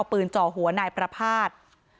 พุทธของนายประพาท